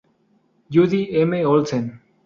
Judy M Olsen.